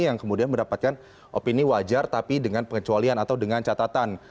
yang kemudian mendapatkan opini wajar tapi dengan pengecualian atau dengan catatan